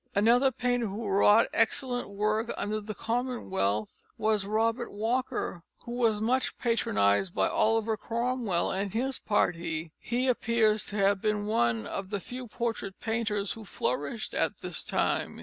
Another painter who wrought excellent work under the Commonwealth was Robert Walker. He was much patronised by Oliver Cromwell and his party. He appears to have been one of the few portrait painters who flourished at this time.